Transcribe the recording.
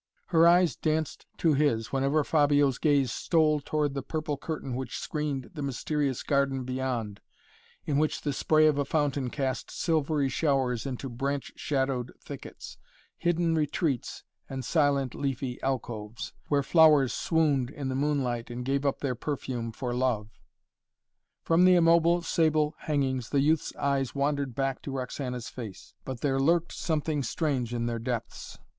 Her eyes danced to his, whenever Fabio's gaze stole towards the purple curtain which screened the mysterious garden beyond, in which the spray of a fountain cast silvery showers into branch shadowed thickets, hidden retreats and silent, leafy alcoves, where flowers swooned in the moonlight and gave up their perfume for love. From the immobile sable hangings the youth's eyes wandered back to Roxana's face, but there lurked something strange in their depths.